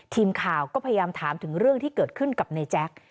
ทีมข่าวก็พยายามถามถึงเรื่องที่เกิดขึ้นกับนายแจ๊ค